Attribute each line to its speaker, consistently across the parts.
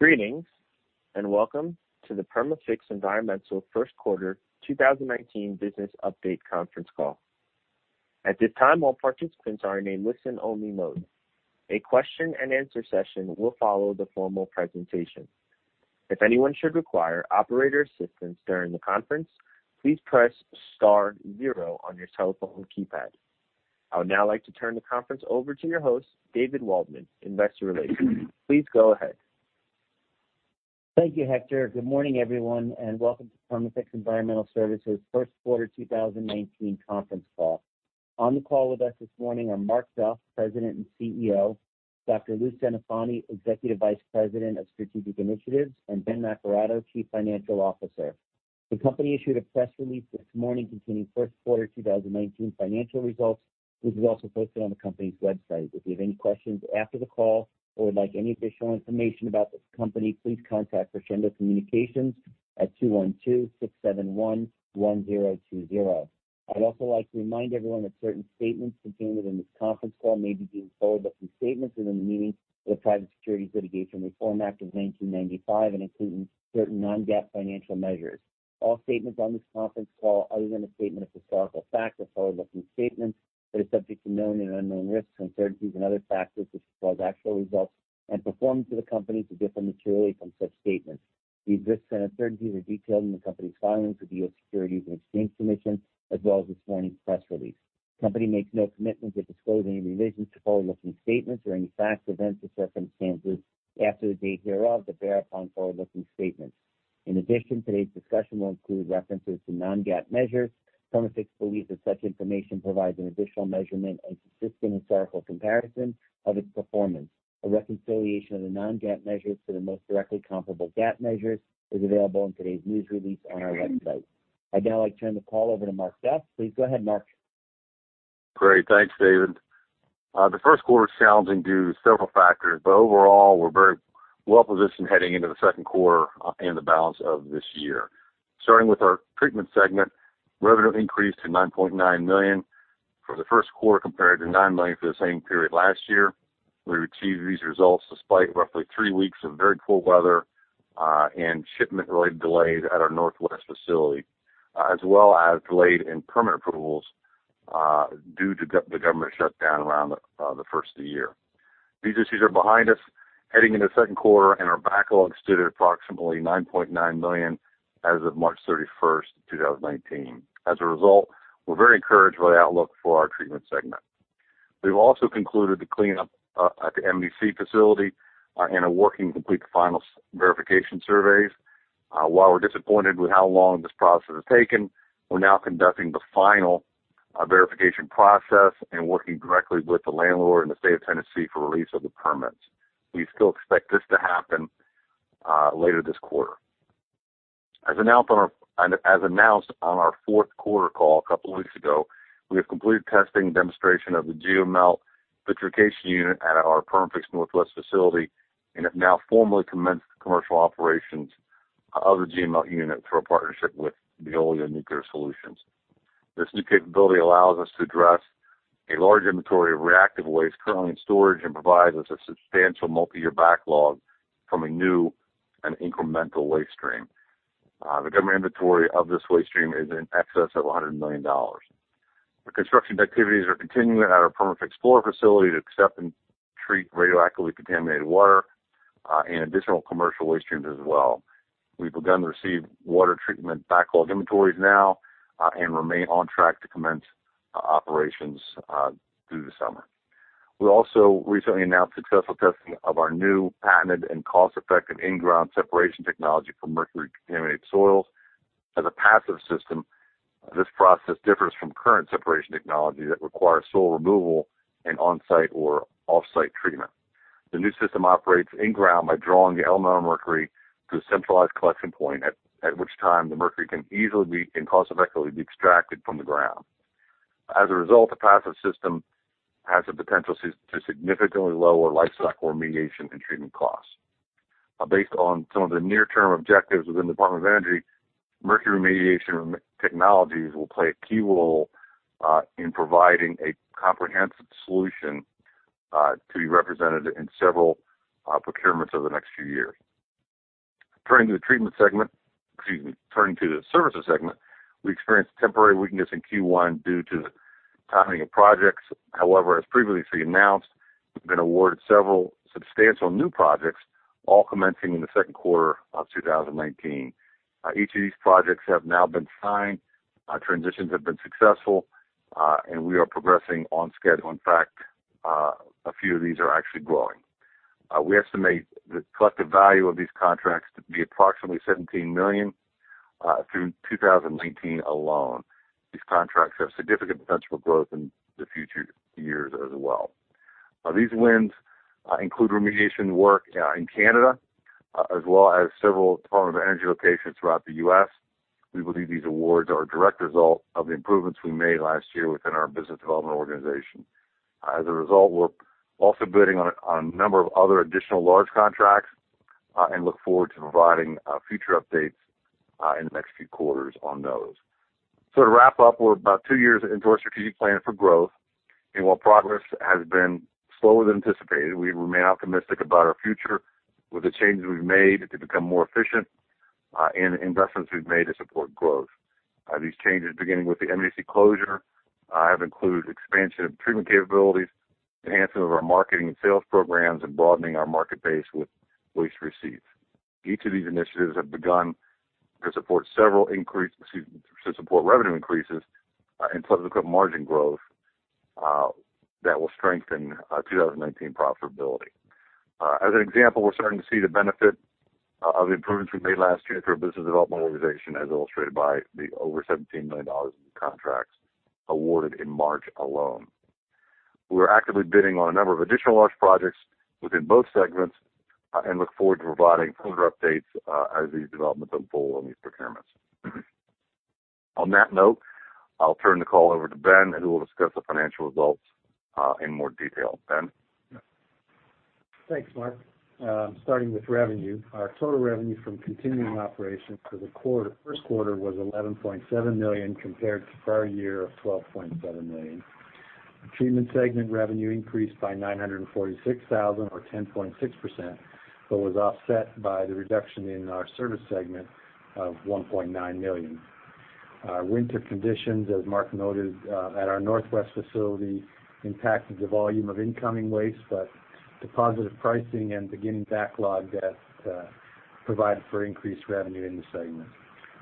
Speaker 1: Greetings, and welcome to the Perma-Fix Environmental first quarter 2019 business update conference call. At this time, all participants are in listen-only mode. A question and answer session will follow the formal presentation. If anyone should require operator assistance during the conference, please press star zero on your telephone keypad. I would now like to turn the conference over to your host, David Waldman, Investor Relations. Please go ahead.
Speaker 2: Thank you, Hector. Good morning, everyone, and welcome to Perma-Fix Environmental Services first quarter 2019 conference call. On the call with us this morning are Mark Duff, President and CEO, Dr. Louis Centofanti, Executive Vice President of Strategic Initiatives, and Ben Naccarato, Chief Financial Officer. The company issued a press release this morning containing first quarter 2019 financial results, which is also posted on the company's website. If you have any questions after the call or would like any additional information about this company, please contact Crescendo Communications at 212-671-1020. I'd also like to remind everyone that certain statements contained within this conference call may be deemed forward-looking statements within the meaning of the Private Securities Litigation Reform Act of 1995, including certain non-GAAP financial measures. All statements on this conference call, other than a statement of historical fact or forward-looking statements that are subject to known and unknown risks, uncertainties, and other factors which cause actual results and performance of the company to differ materially from such statements. These risks and uncertainties are detailed in the company's filings with the U.S. Securities and Exchange Commission, as well as this morning's press release. The company makes no commitment to disclose any revisions to forward-looking statements or any facts, events, or circumstances after the date hereof that bear upon forward-looking statements. In addition, today's discussion will include references to non-GAAP measures. Perma-Fix believes that such information provides an additional measurement and consistent historical comparison of its performance. A reconciliation of the non-GAAP measures to the most directly comparable GAAP measures is available in today's news release on our website. I'd now like to turn the call over to Mark Duff. Please go ahead, Mark.
Speaker 3: Great. Thanks, David. The first quarter was challenging due to several factors, but overall, we're very well positioned heading into the second quarter and the balance of this year. Starting with our treatment segment, revenue increased to $9.9 million for the first quarter compared to $9 million for the same period last year. We achieved these results despite roughly three weeks of very cold weather, and shipment-related delays at our Northwest facility, as well as delays in permit approvals due to the government shutdown around the first of the year. These issues are behind us heading into the second quarter, and our backlog stood at approximately $9.9 million as of March 31, 2019. As a result, we're very encouraged by the outlook for our treatment segment. We've also concluded the cleanup at the M&EC facility and are working to complete the final verification surveys. While we're disappointed with how long this process has taken, we're now conducting the final verification process and working directly with the landlord and the state of Tennessee for release of the permits. We still expect this to happen later this quarter. As announced on our fourth quarter call a couple of weeks ago, we have completed testing demonstration of the GeoMelt vitrification unit at our Perma-Fix Northwest facility and have now formally commenced the commercial operations of the GeoMelt unit through a partnership with Veolia Nuclear Solutions. This new capability allows us to address a large inventory of reactive waste currently in storage and provides us a substantial multi-year backlog from a new and incremental waste stream. The government inventory of this waste stream is in excess of $100 million. The construction activities are continuing at our Perma-Fix Florida facility to accept and treat radioactively contaminated water, and additional commercial waste streams as well. We've begun to receive water treatment backlog inventories now, and remain on track to commence operations through the summer. We also recently announced successful testing of our new patented and cost-effective in-ground separation technology for mercury-contaminated soils. As a passive system, this process differs from current separation technology that requires soil removal and on-site or off-site treatment. The new system operates in-ground by drawing the elemental mercury to a centralized collection point, at which time the mercury can easily and cost-effectively be extracted from the ground. As a result, the passive system has the potential to significantly lower lifecycle remediation and treatment costs. Based on some of the near-term objectives within the Department of Energy, mercury remediation technologies will play a key role in providing a comprehensive solution to be represented in several procurements over the next few years. Turning to the services segment, we experienced temporary weakness in Q1 due to the timing of projects. However, as previously announced, we've been awarded several substantial new projects, all commencing in the second quarter of 2019. Each of these projects have now been signed, transitions have been successful, and we are progressing on schedule. In fact, a few of these are actually growing. We estimate the collective value of these contracts to be approximately $17 million through 2019 alone. These contracts have significant potential growth in the future years as well. These wins include remediation work in Canada, as well as several Department of Energy locations throughout the U.S. We believe these awards are a direct result of the improvements we made last year within our business development organization. As a result, we're also bidding on a number of other additional large contracts and look forward to providing future updates in the next few quarters on those. To wrap up, we're about two years into our strategic plan for growth. While progress has been slower than anticipated, we remain optimistic about our future with the changes we've made to become more efficient and the investments we've made to support growth. These changes, beginning with the M&EC closure, have included expansion of treatment capabilities, enhancement of our marketing and sales programs, and broadening our market base with waste receipts. Each of these initiatives have begun to support revenue increases and positive margin growth that will strengthen our 2019 profitability. As an example, we're starting to see the benefit of improvements we made last year through our business development organization, as illustrated by the over $17 million in contracts awarded in March alone. We are actively bidding on a number of additional large projects within both segments and look forward to providing further updates as these developments unfold on these procurements. On that note, I'll turn the call over to Ben, who will discuss the financial results in more detail. Ben?
Speaker 4: Thanks, Mark. Starting with revenue, our total revenue from continuing operations for the first quarter was $11.7 million, compared to prior year of $12.7 million. The treatment segment revenue increased by $946,000 or 10.6%. It was offset by the reduction in our service segment of $1.9 million. Winter conditions, as Mark noted, at our Northwest facility impacted the volume of incoming waste. The positive pricing and beginning backlog debt provided for increased revenue in the segment.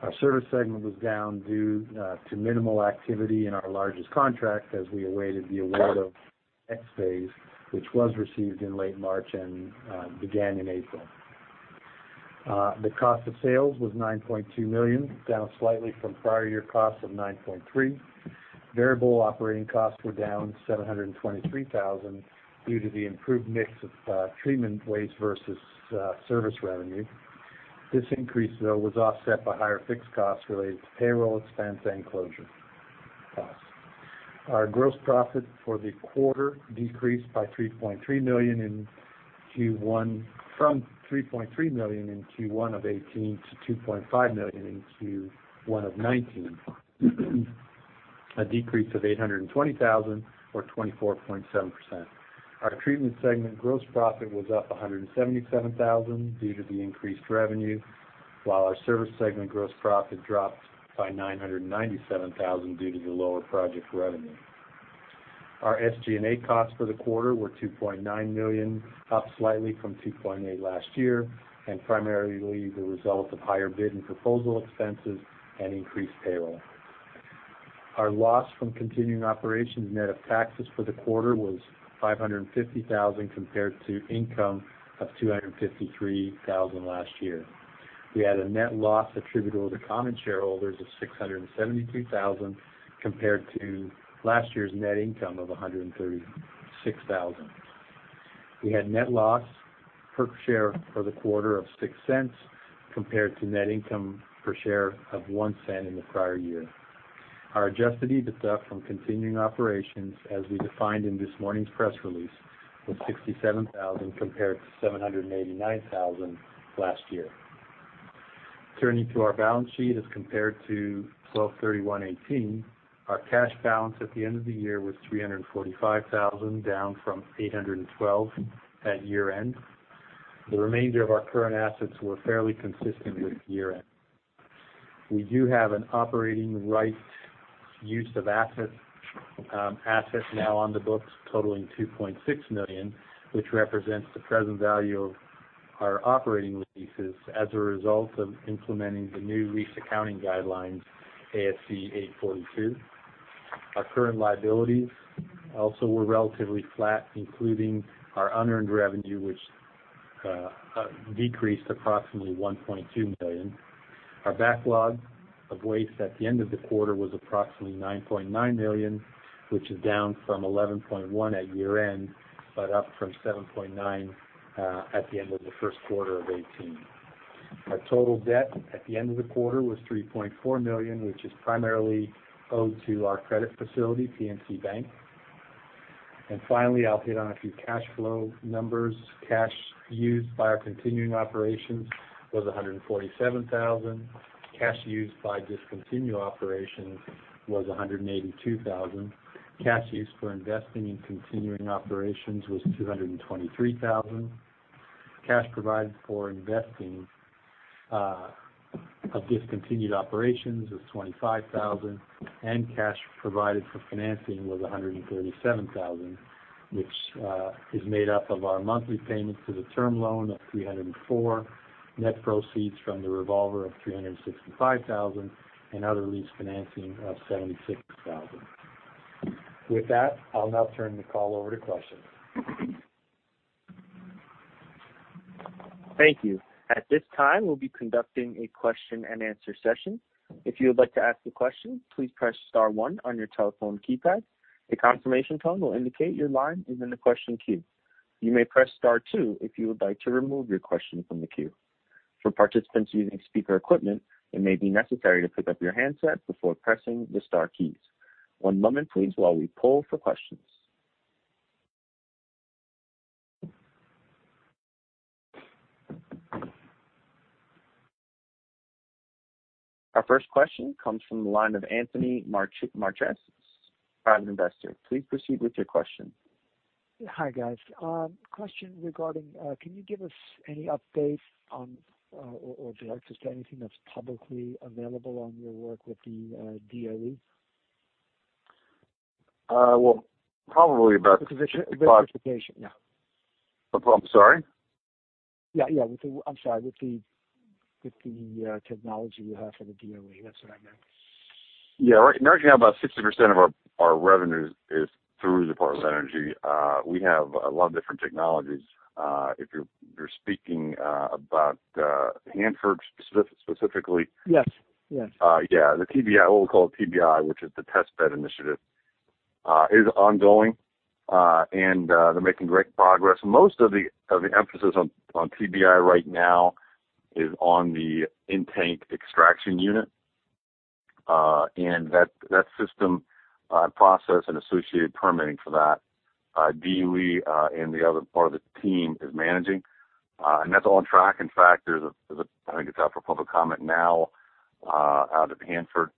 Speaker 4: Our service segment was down due to minimal activity in our largest contract as we awaited the award of the next phase, which was received in late March and began in April. The cost of sales was $9.2 million, down slightly from prior year costs of $9.3 million. Variable operating costs were down $723,000 due to the improved mix of treatment waste versus service revenue. This increase, though, was offset by higher fixed costs related to payroll expense and closure costs. Our gross profit for the quarter decreased from $3.3 million in Q1 of 2018 to $2.5 million in Q1 of 2019, a decrease of $820,000 or 24.7%. Our treatment segment gross profit was up $177,000 due to the increased revenue, while our service segment gross profit dropped by $997,000 due to the lower project revenue. Our SG&A costs for the quarter were $2.9 million, up slightly from $2.8 million last year, primarily the result of higher bid and proposal expenses and increased payroll. Our loss from continuing operations net of taxes for the quarter was $550,000, compared to income of $253,000 last year. We had a net loss attributable to common shareholders of $672,000, compared to last year's net income of $136,000. We had net loss per share for the quarter of $0.06, compared to net income per share of $0.01 in the prior year. Our adjusted EBITDA from continuing operations, as we defined in this morning's press release, was $67,000, compared to $789,000 last year. Turning to our balance sheet as compared to 12/31/2018, our cash balance at the end of the year was $345,000, down from $812,000 at year-end. The remainder of our current assets were fairly consistent with year-end. We do have an operating right use of asset now on the books totaling $2.6 million, which represents the present value of our operating leases as a result of implementing the new lease accounting guidelines, ASC 842. Our current liabilities also were relatively flat, including our unearned revenue, which decreased approximately $1.2 million. Our backlog of waste at the end of the quarter was approximately $9.9 million, which is down from $11.1 million at year-end, but up from $7.9 million at the end of the first quarter of 2018. Our total debt at the end of the quarter was $3.4 million, which is primarily owed to our credit facility, PNC Bank. Finally, I'll hit on a few cash flow numbers. Cash used by our continuing operations was $147,000. Cash used by discontinued operations was $182,000. Cash used for investing in continuing operations was $223,000. Cash provided for investing of discontinued operations was $25,000, and cash provided for financing was $137,000, which is made up of our monthly payments to the term loan of $304,000, net proceeds from the revolver of $365,000, and other lease financing of $76,000. With that, I'll now turn the call over to questions.
Speaker 1: Thank you. At this time, we'll be conducting a question and answer session. If you would like to ask a question, please press star one on your telephone keypad. A confirmation tone will indicate your line is in the question queue. You may press star two if you would like to remove your question from the queue. For participants using speaker equipment, it may be necessary to pick up your handset before pressing the star keys. One moment please while we poll for questions. Our first question comes from the line of Anthony Marchese, private investor. Please proceed with your question. Hi, guys. Question regarding, can you give us any update on, or if there's anything that's publicly available on your work with the DOE?
Speaker 3: Well, probably about- With the certification, yeah. I'm sorry? Yeah, I'm sorry. With the technology you have for the DOE. That's what I meant. Yeah. Right now, about 60% of our revenues is through the Department of Energy. We have a lot of different technologies. If you're speaking about Hanford specifically- Yes. Yeah. The TBI, what we call TBI, which is the Test Bed Initiative, is ongoing. They're making great progress. Most of the emphasis on TBI right now is on the in-tank extraction unit. That system, process, and associated permitting for that, DOE and the other part of the team is managing. That's all on track. In fact, there's a, I think it's out for public comment now, out of Hanford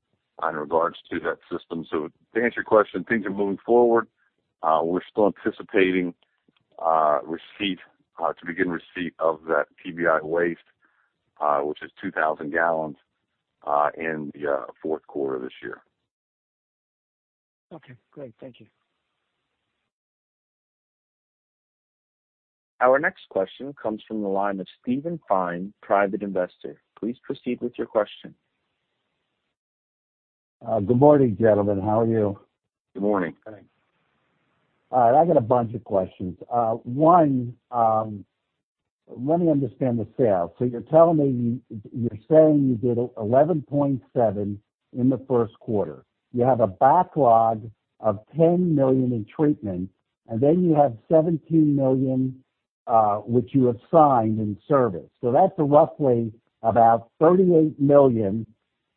Speaker 3: in regards to that system. To answer your question, things are moving forward. We're still anticipating to begin receipt of that TBI waste, which is 2,000 gallons, in the fourth quarter of this year. Okay, great. Thank you.
Speaker 1: Our next question comes from the line of Steven Fine, private investor. Please proceed with your question. Good morning, gentlemen. How are you?
Speaker 3: Good morning.
Speaker 4: Hi. All right, I got a bunch of questions. One, let me understand the sales. You're telling me, you're saying you did $11.7 in the first quarter. You have a backlog of $10 million in treatment, and then you have $17 million, which you have signed in service. That's roughly about $38 million,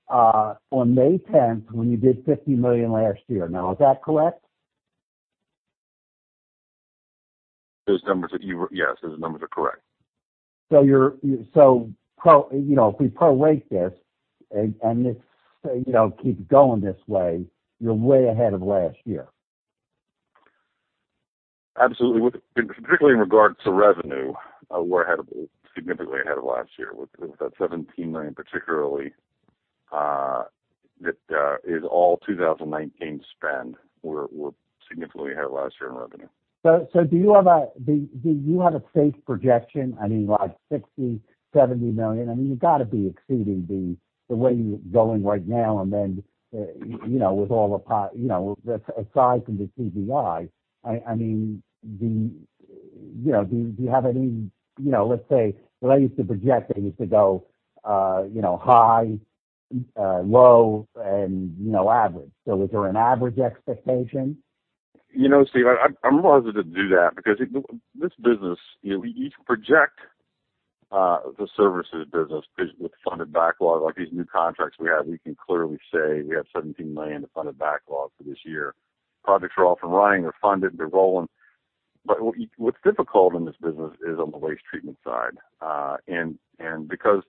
Speaker 4: on May 10th, when you did $50 million last year. Is that correct?
Speaker 3: Those numbers that, yes, those numbers are correct. If we pro-rate this, and this keeps going this way, you're way ahead of last year. Absolutely. Particularly in regards to revenue, we're significantly ahead of last year with that $17 million, particularly, that is all 2019 spend. We're significantly ahead of last year in revenue. Do you have a safe projection? I mean, like $60 million-$70 million? You've got to be exceeding the way you're going right now. Then, with all the aside from the TBI, do you have any, let's say, what I used to project, I used to go high, low, and average. Is there an average expectation? Steve, I'm hesitant to do that because this business, we each project the services business with funded backlog. Like these new contracts we have, we can clearly say we have $17 million in funded backlog for this year. Projects are off and running. They're funded, they're rolling. What's difficult in this business is on the waste treatment side. Because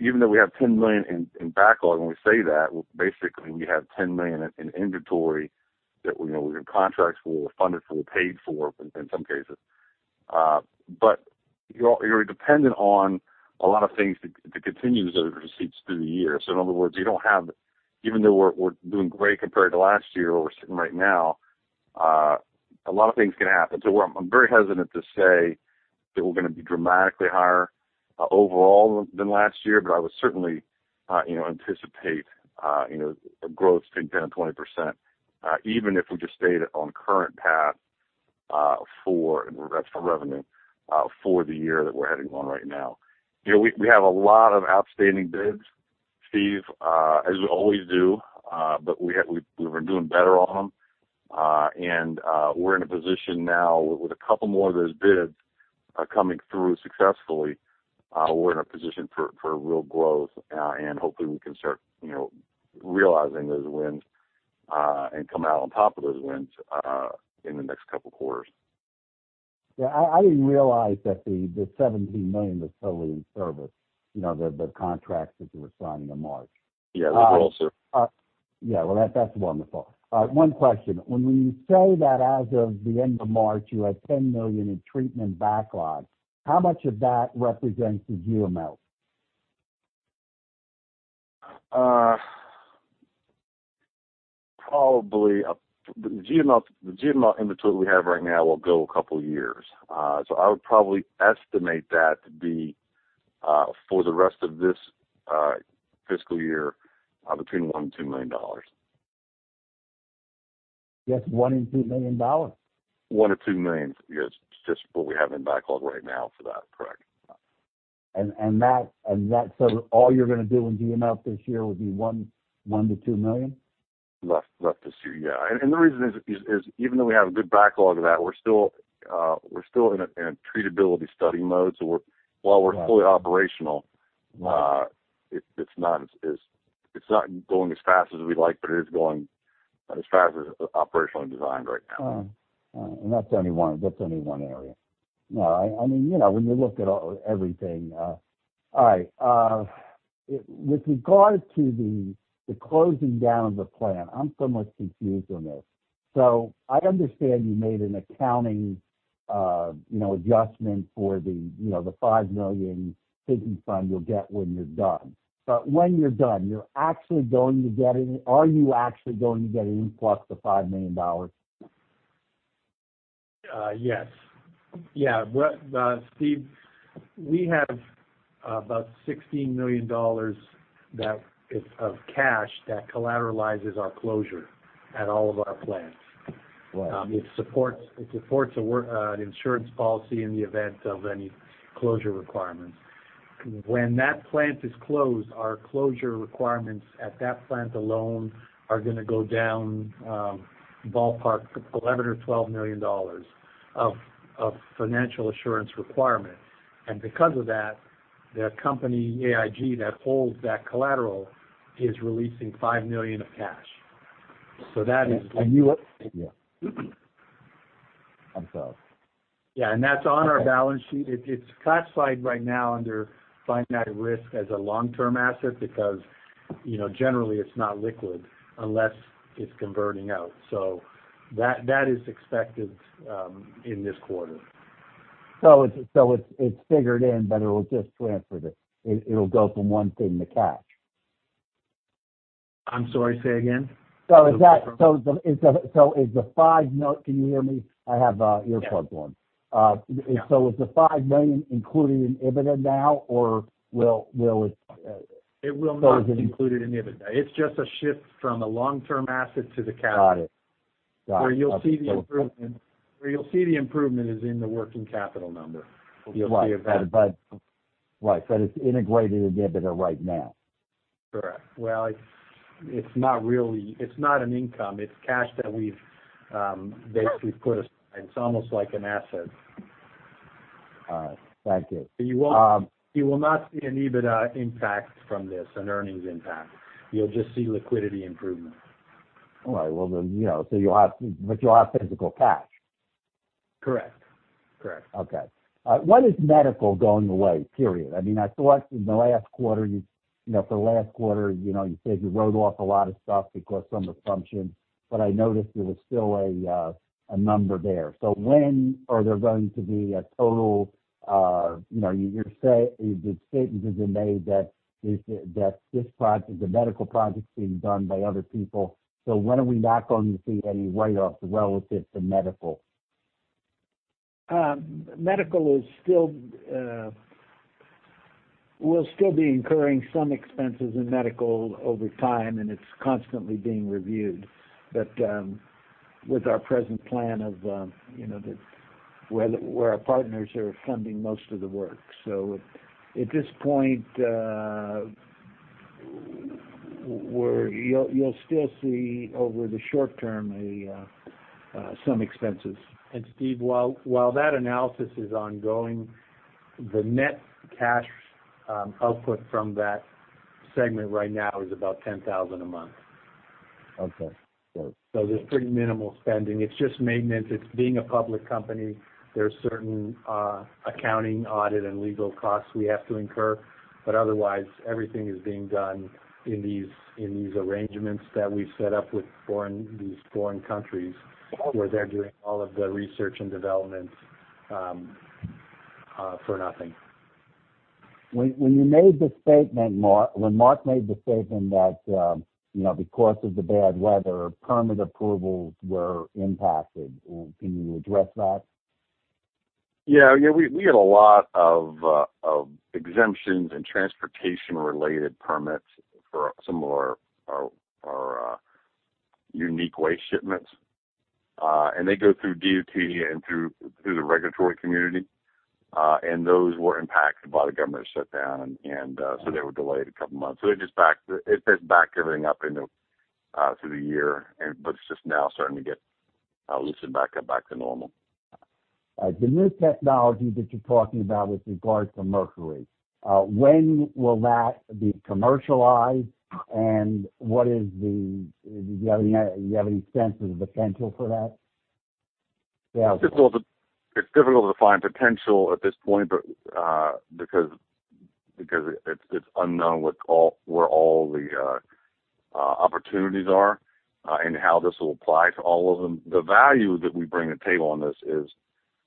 Speaker 3: even though we have $10 million in backlog, when we say that, basically, we have $10 million in inventory that we have contracts for, funded for, paid for in some cases. You're dependent on a lot of things to continue those receipts through the year. In other words, even though we're doing great compared to last year, where we're sitting right now, a lot of things can happen. I'm very hesitant to say that we're going to be dramatically higher overall than last year, but I would certainly anticipate a growth 15%, 10%, 20%, even if we just stayed on current path for, and that's for revenue, for the year that we're heading on right now. We have a lot of outstanding bids, Steve, as we always do. We were doing better on them. We're in a position now with a couple more of those bids coming through successfully, we're in a position for real growth. Hopefully we can start realizing those wins, and come out on top of those wins, in the next couple of quarters. Yeah, I didn't realize that the $17 million was totally in service, the contracts that you were signing in March. Yeah, they're all served. Yeah. Well, that's wonderful. One question. When you say that as of the end of March, you had $10 million in treatment backlog, how much of that represents the GeoMelt? Probably, the GeoMelt inventory we have right now will go a couple of years. I would probably estimate that to be, for the rest of this fiscal year, between $1 million and $2 million. Just $1 million and $2 million? $1 million to $2 million, yes. Just what we have in backlog right now for that, correct. All you're going to do in GeoMelt this year would be $1 million-$2 million? Left this year, yeah. The reason is, even though we have a good backlog of that, we're still in treatability study mode. While we're fully operational- Right It's not going as fast as we'd like, but it is going as far as it's operationally designed right now. That's only one area. No, when you look at everything. All right. With regards to the closing down of the plant, I'm somewhat confused on this. I understand you made an accounting adjustment for the $5 million pigeon fund you'll get when you're done. When you're done, are you actually going to get an influx of $5 million?
Speaker 4: Yes. Steve, we have about $16 million of cash that collateralizes our closure at all of our plants. Right. It supports an insurance policy in the event of any closure requirements. When that plant is closed, our closure requirements at that plant alone are going to go down, ballpark, $11 million or $12 million of financial assurance requirements. Because of that, the company, AIG, that holds that collateral, is releasing $5 million of cash. So that is. You Yeah. I'm sorry. Yeah, that's on our balance sheet. It's classified right now under finite risk as a long-term asset because, generally it's not liquid unless it's converting out. That is expected in this quarter. It's figured in, but it will just transfer. It'll go from one thing to cash. I'm sorry, say again? Is the five? Can you hear me? I have an ear plug on. Yeah. Is the $5 million included in EBITDA now or will it? It will not be included in EBITDA. It's just a shift from a long-term asset to the cash. Got it. Where you'll see the improvement is in the working capital number. You'll see it there. Right. It's integrated in EBITDA right now. Correct. Well, it's not an income. It's cash that we've basically put aside. It's almost like an asset. All right. Thank you. You will not see an EBITDA impact from this, an earnings impact. You'll just see liquidity improvement. All right. Well, you'll have physical cash. Correct. Okay. When is medical going away, period? I saw in the last quarter, you said you wrote off a lot of stuff because some assumptions, but I noticed there was still a number there. The statement has been made that the medical project's being done by other people. When are we not going to see any write-offs relative to medical?
Speaker 3: Medical, we'll still be incurring some expenses in medical over time, and it's constantly being reviewed, with our present plan of where our partners are funding most of the work. At this point, you'll still see, over the short term, some expenses.
Speaker 4: Steve, while that analysis is ongoing, the net cash output from that segment right now is about $10,000 a month. Okay. There's pretty minimal spending. It's just maintenance. It's being a public company. There's certain accounting, audit, and legal costs we have to incur. Otherwise, everything is being done in these arrangements that we've set up with these foreign countries, where they're doing all of the research & development for nothing. When Mark made the statement that because of the bad weather, permit approvals were impacted, can you address that?
Speaker 3: Yeah. We had a lot of exemptions and transportation-related permits for some of our unique waste shipments. They go through DOT and through the regulatory community. Those were impacted by the government shutdown, and so they were delayed a couple of months. It just backed everything up into through the year, but it's just now starting to loosen back up, back to normal. The new technology that you're talking about with regards to mercury, when will that be commercialized, and do you have any sense of the potential for that? It's difficult to find potential at this point, because it's unknown where all the opportunities are and how this will apply to all of them. The value that we bring to the table on this is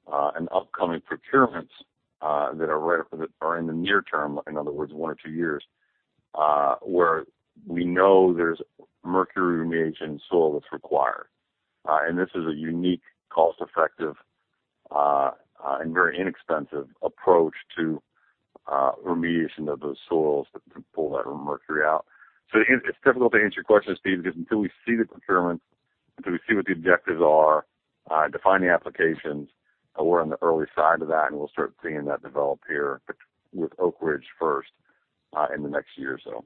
Speaker 3: an upcoming procurements that are in the near term, in other words, one or two years, where we know there's mercury remediation in soil that's required. This is a unique, cost-effective, and very inexpensive approach to remediation of those soils to pull that mercury out. It's difficult to answer your question, Steve, because until we see the procurement, until we see what the objectives are, define the applications, we're on the early side of that, and we'll start seeing that develop here with Oak Ridge first in the next year or so.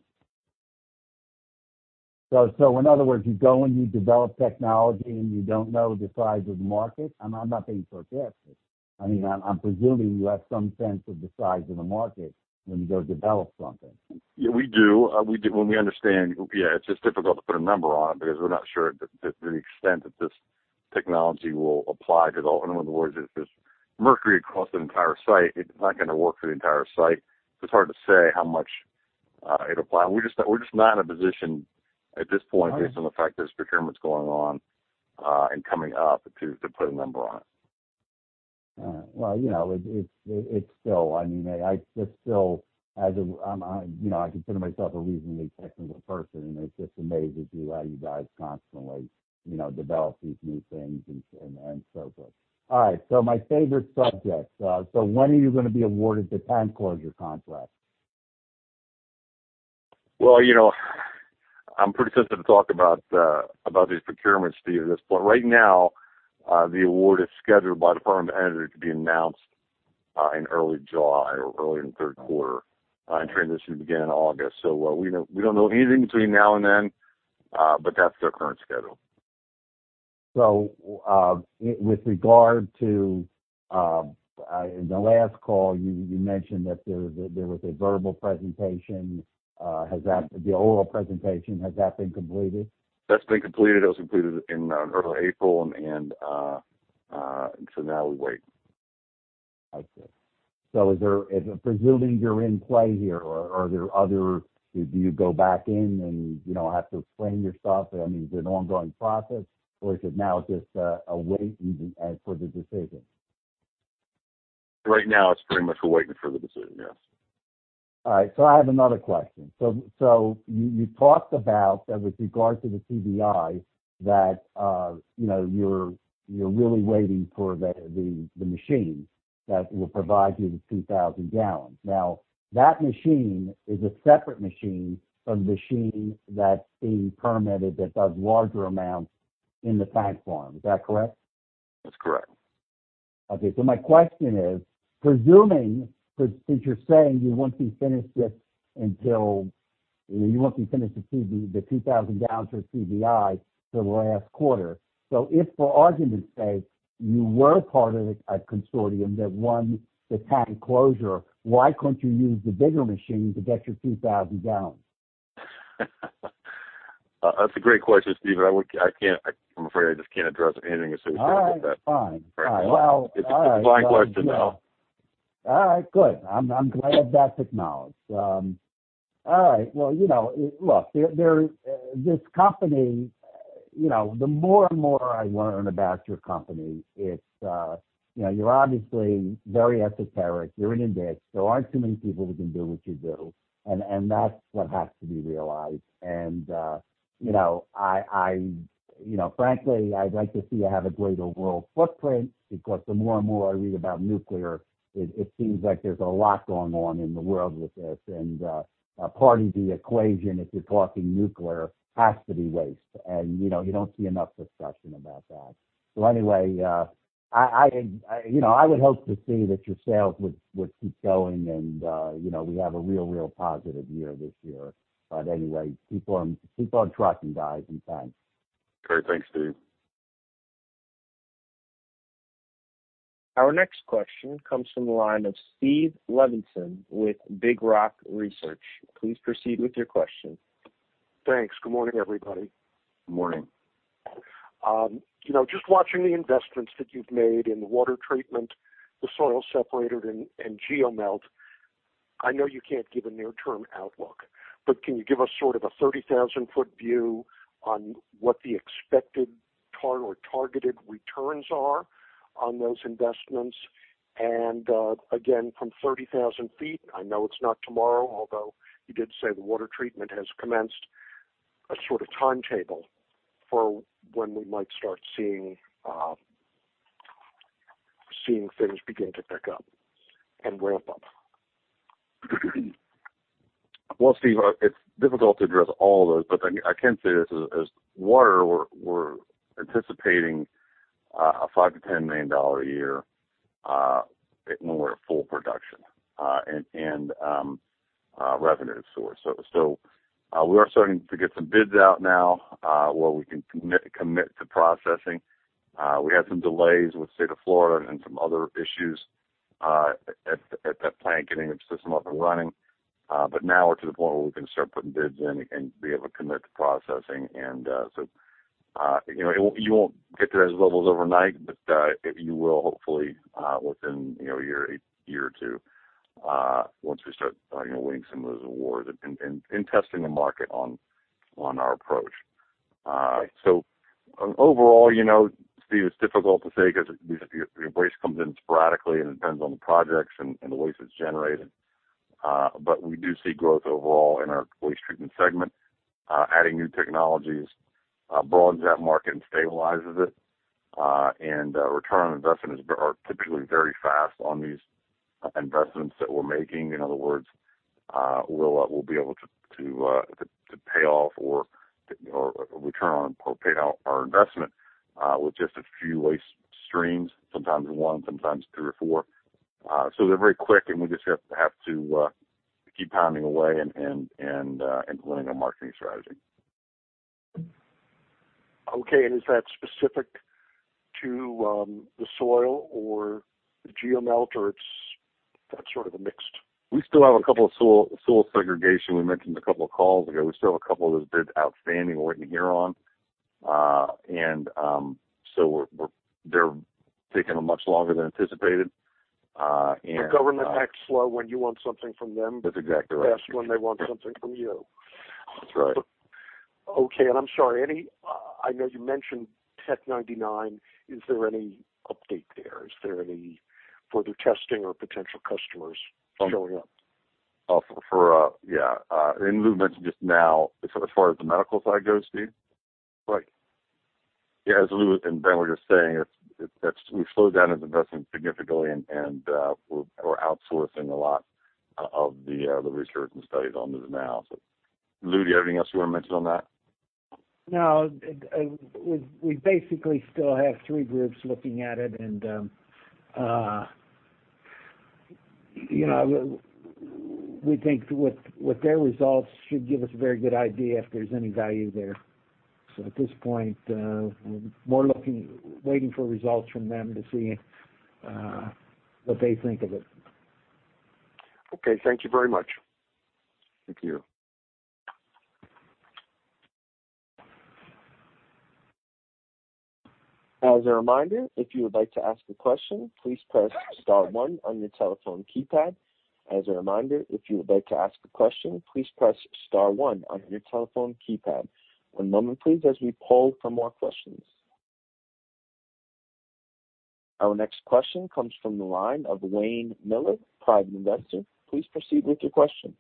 Speaker 3: In other words, you go and you develop technology, and you don't know the size of the market? I'm not being sarcastic. I'm presuming you have some sense of the size of the market when you go develop something. We do. We understand. It's just difficult to put a number on it because we're not sure to the extent that this technology will apply to all. In other words, if there's mercury across the entire site, it's not going to work for the entire site. It's hard to say how much it'll apply. We're just not in a position at this point based on the fact this procurement's going on and coming up, to put a number on it. I consider myself a reasonably technical person, and it just amazes me how you guys constantly develop these new things and so forth. My favorite subject. When are you going to be awarded the tank closure contract? I'm pretty sensitive to talk about these procurements, Steve, at this point. Right now, the award is scheduled by the [Perma editor] to be announced in early July or early in the third quarter, and transition to begin in August. We don't know anything between now and then, but that's their current schedule. With regard to the last call, you mentioned that there was a verbal presentation. The oral presentation, has that been completed? That's been completed. That was completed in early April and so now we wait. I see. Presuming you're in play here, are there other Do you go back in and have to explain your stuff? I mean, is it an ongoing process or is it now just a wait for the decision? Right now it's pretty much a waiting for the decision, yes. I have another question. You talked about that with regard to the TBI, that you're really waiting for the machine that will provide you the 2,000 gallons. That machine is a separate machine from the machine that's being permitted that does larger amounts in the tank farm. Is that correct? That's correct. Okay. My question is, presuming, since you're saying you won't be finished with the 2,000 gallons for TBI till last quarter. If for argument's sake, you were part of a consortium that won the tank closure, why couldn't you use the bigger machine to get your 2,000 gallons? That's a great question, Steve, I'm afraid I just can't address anything associated with that. All right, fine. It's a fine question, though. All right, good. I'm glad that's acknowledged. All right. Well, look, this company, the more and more I learn about your company, you're obviously very esoteric. You're in a niche. There aren't too many people who can do what you do, and that's what has to be realized. Frankly, I'd like to see you have a greater world footprint because the more and more I read about nuclear, it seems like there's a lot going on in the world with this. Part of the equation, if you're talking nuclear, has to be waste. You don't see enough discussion about that. Anyway, I would hope to see that your sales would keep going, and we have a real positive year this year. Anyway, keep on trucking, guys, and thanks. Great. Thanks, Steve.
Speaker 1: Our next question comes from the line of Steve Levinson with Big Rock Research. Please proceed with your question.
Speaker 5: Thanks. Good morning, everybody.
Speaker 3: Good morning.
Speaker 5: Just watching the investments that you've made in the water treatment, the soil separator and GeoMelt, I know you can't give a near-term outlook, but can you give us sort of a 30,000-foot view on what the expected or targeted returns are on those investments? Again, from 30,000 feet, I know it's not tomorrow, although you did say the water treatment has commenced, a sort of timetable for when we might start seeing things begin to pick up and ramp up.
Speaker 3: Well, Steve, it's difficult to address all those, but I can say this, as GeoMelt, we're anticipating a $5 million to $10 million a year when we're at full production and revenue source. We are starting to get some bids out now where we can commit to processing. We had some delays with the State of Florida and some other issues at that plant, getting the system up and running. Now we're to the point where we can start putting bids in and be able to commit to processing. You won't get to those levels overnight, but you will hopefully within a year or two, once we start winning some of those awards and testing the market on our approach. Overall, Steve, it's difficult to say because your waste comes in sporadically, and it depends on the projects and the waste that's generated. We do see growth overall in our waste treatment segment. Adding new technologies broadens that market and stabilizes it. Return on investment are typically very fast on these investments that we're making. In other words, we'll be able to pay off our investment, with just a few waste streams, sometimes one, sometimes three or four. They're very quick, and we just have to keep pounding away and implementing a marketing strategy.
Speaker 5: Okay. Is that specific to the soil or the GeoMelt, or it's sort of a mix?
Speaker 3: We still have a couple of soil segregation. We mentioned a couple of calls ago. We still have a couple of those bids outstanding we're waiting to hear on. They're taking much longer than anticipated.
Speaker 5: The government acts slow when you want something from them.
Speaker 3: That's exactly right.
Speaker 5: Fast when they want something from you.
Speaker 3: That's right.
Speaker 5: Okay. I'm sorry, I know you mentioned Tc-99. Is there any update there? Is there any further testing or potential customers showing up?
Speaker 3: Yeah. Lou mentioned just now, as far as the medical side goes, Steve?
Speaker 5: Right.
Speaker 3: Yeah, as Lou and Ben were just saying, we've slowed down investment significantly, and we're outsourcing a lot of the research and studies on this now. Lou, do you have anything else you want to mention on that?
Speaker 6: No. We basically still have three groups looking at it, we think what their results should give us a very good idea if there's any value there. At this point, we're more looking, waiting for results from them to see what they think of it.
Speaker 5: Okay. Thank you very much.
Speaker 3: Thank you.
Speaker 1: As a reminder, if you would like to ask a question, please press star one on your telephone keypad. As a reminder, if you would like to ask a question, please press star one on your telephone keypad. One moment please as we poll for more questions. Our next question comes from the line of Wayne Miller, private investor. Please proceed with your question.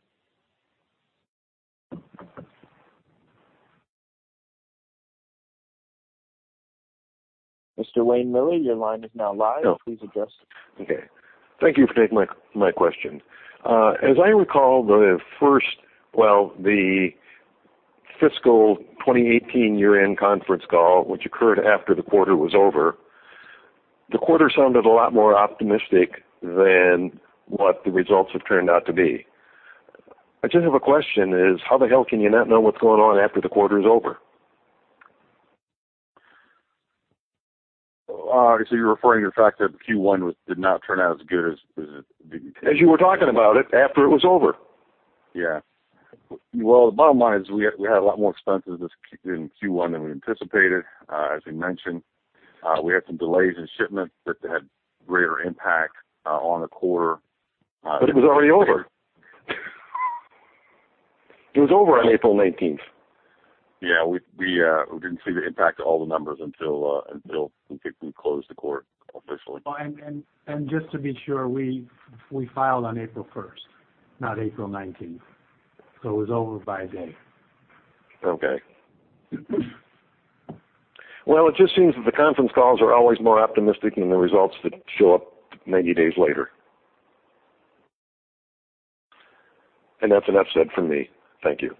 Speaker 1: Mr. Wayne Miller, your line is now live. Oh. Please address. Okay. Thank you for taking my question. As I recall, the first Well, the fiscal 2018 year-end conference call, which occurred after the quarter was over, the quarter sounded a lot more optimistic than what the results have turned out to be. I just have a question, is how the hell can you not know what's going on after the quarter is over?
Speaker 3: You're referring to the fact that Q1 did not turn out as good. You were talking about it after it was over. Yeah. Well, the bottom line is we had a lot more expenses in Q1 than we anticipated. We mentioned, we had some delays in shipments that had greater impact on the quarter. It was already over. It was over on April 19th. Yeah. We didn't see the impact of all the numbers until we closed the quarter officially.
Speaker 6: Just to be sure, we filed on April 1st, not April 19th, it was over by a day. Okay. Well, it just seems that the conference calls are always more optimistic than the results that show up 90 days later. That's an upset for me. Thank you.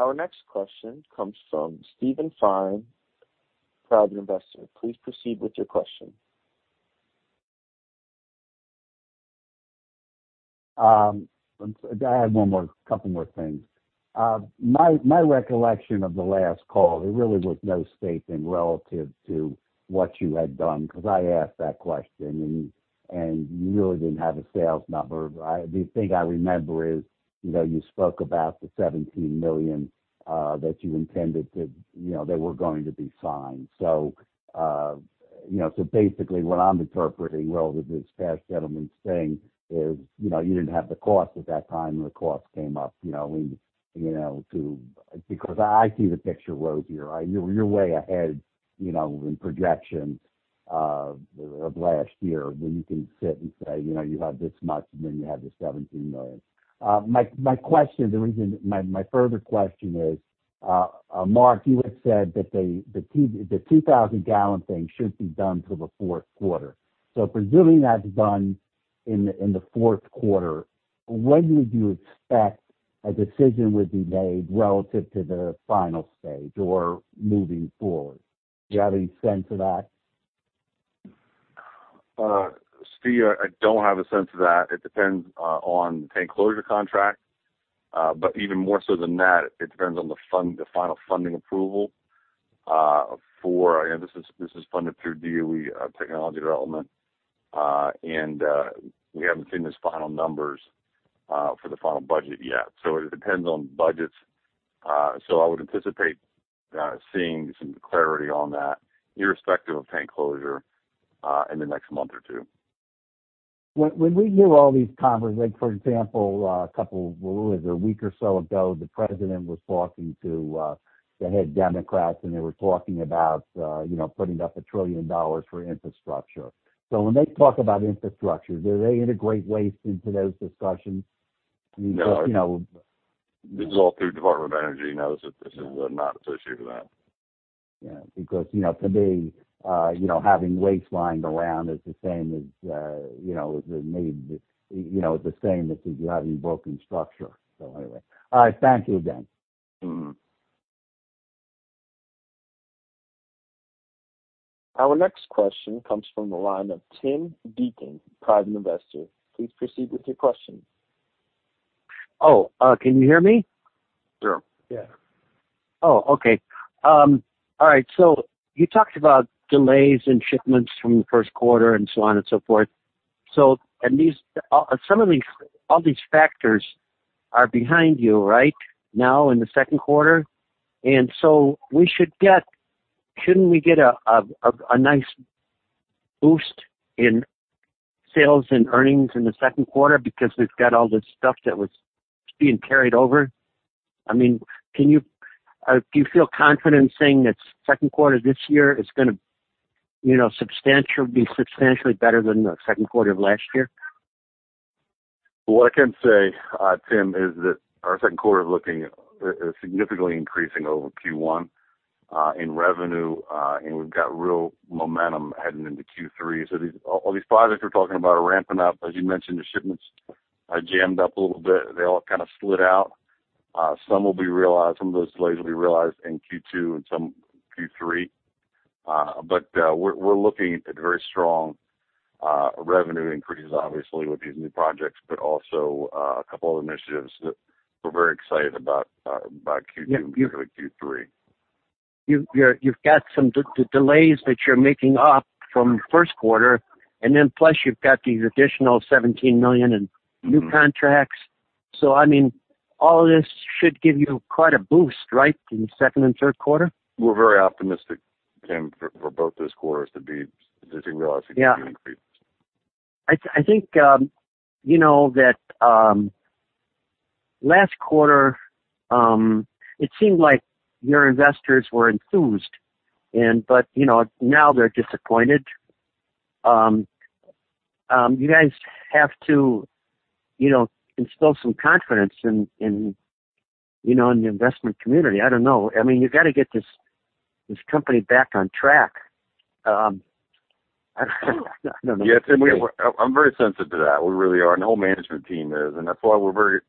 Speaker 1: Our next question comes from Steven Fine, private investor. Please proceed with your question. I have one more, couple more things. My recollection of the last call, there really was no stating relative to what you had done, because I asked that question, and you really didn't have a sales number. The thing I remember is, you spoke about the $17 million, that you intended to. That were going to be signed. Basically what I'm interpreting relative to this past settlement thing is, you didn't have the cost at that time. The cost came up, because I see the picture rosier. You're way ahead, in projections of last year where you can sit and say, you had this much and then you had the $17 million. My question, the reason, my further question is, Mark, you had said that the 2,000-gallon thing should be done till the fourth quarter. Presuming that's done in the fourth quarter, when would you expect a decision would be made relative to the final stage or moving forward? Do you have any sense of that?
Speaker 3: Steve, I don't have a sense of that. It depends on the tank closure contract. Even more so than that, it depends on the final funding approval. This is funded through DOE technology development, and we haven't seen those final numbers, for the final budget yet. It depends on budgets. I would anticipate seeing some clarity on that irrespective of tank closure, in the next month or two. Like for example, a couple, a week or so ago, the president was talking to the head Democrats, and they were talking about putting up $1 trillion for infrastructure. When they talk about infrastructure, do they integrate waste into those discussions? No. You know. This is all through Department of Energy, and this is not associated with that. Yeah, because, to me, having waste lying around is the same as having broken structure. Anyway. All right. Thank you again.
Speaker 1: Our next question comes from the line of Tim Deacon, private investor. Please proceed with your question. Oh, can you hear me?
Speaker 3: Sure.
Speaker 1: Yeah. Oh, okay. All right. You talked about delays in shipments from the first quarter and so on and so forth. Some of these, all these factors are behind you right now in the second quarter? Shouldn't we get a nice boost in sales and earnings in the second quarter because we've got all this stuff that was being carried over? Do you feel confident in saying that second quarter this year is going to be substantially better than the second quarter of last year?
Speaker 3: What I can say, Tim, is that our second quarter is looking, is significantly increasing over Q1 in revenue. We've got real momentum heading into Q3. All these projects we're talking about are ramping up. As you mentioned, the shipments are jammed up a little bit. They all kind of slid out. Some will be realized, some of those delays will be realized in Q2 and some Q3. We're looking at very strong revenue increases, obviously with these new projects, but also, a couple other initiatives that we're very excited about Q2 and particularly Q3. You've got some delays that you're making up from first quarter, and then plus you've got these additional $17 million in new contracts. All of this should give you quite a boost, right, in the second and third quarter? We're very optimistic, Tim, for both those quarters to be significantly increased. Yeah. I think that last quarter, it seemed like your investors were enthused, but now they're disappointed. You guys have to instill some confidence in the investment community. I don't know. You got to get this company back on track. I don't know. Yeah. Tim, I'm very sensitive to that. We really are, and the whole management team is, and that's why we're very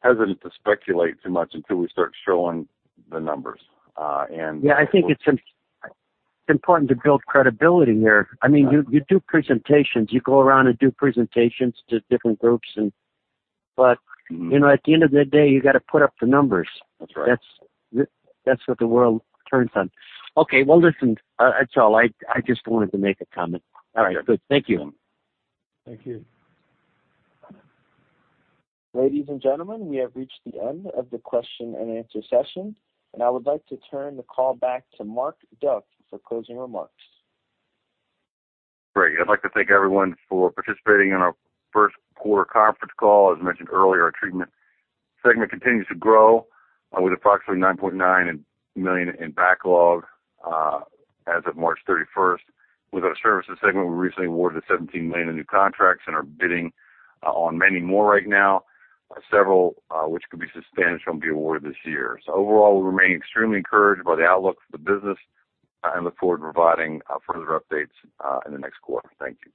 Speaker 3: hesitant to speculate too much until we start showing the numbers. Yeah, I think it's important to build credibility here. You do presentations. You go around and do presentations to different groups. At the end of the day, you got to put up the numbers. That's right. That's what the world turns on. Okay, well, listen, that's all. I just wanted to make a comment. Sure. All right, good. Thank you. Thank you.
Speaker 1: Ladies and gentlemen, we have reached the end of the question and answer session, and I would like to turn the call back to Mark Duff for closing remarks.
Speaker 3: Great. I'd like to thank everyone for participating in our first quarter conference call. As mentioned earlier, our treatment segment continues to grow with approximately $9.9 million in backlog as of March thirty-first. With our services segment, we recently awarded $17 million in new contracts and are bidding on many more right now. Several, which could be substantial, will be awarded this year. Overall, we remain extremely encouraged by the outlook for the business and look forward to providing further updates in the next quarter. Thank you.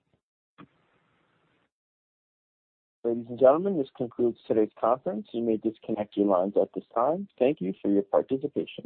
Speaker 1: Ladies and gentlemen, this concludes today's conference. You may disconnect your lines at this time. Thank you for your participation.